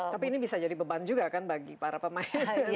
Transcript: tapi ini bisa jadi beban juga kan bagi para pemain